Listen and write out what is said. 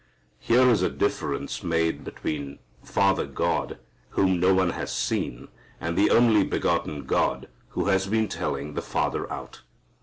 Here is a difference made between the Father God, whom no one has seen, and the only begotten God, who has been telling the Father out.